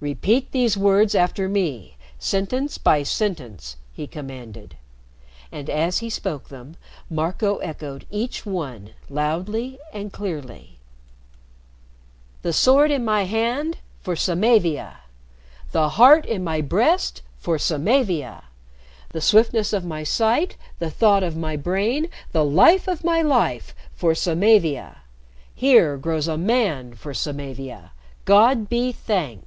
"Repeat these words after me sentence by sentence!" he commanded. And as he spoke them Marco echoed each one loudly and clearly. "The sword in my hand for Samavia! "The heart in my breast for Samavia! "The swiftness of my sight, the thought of my brain, the life of my life for Samavia. "Here grows a man for Samavia. "God be thanked!"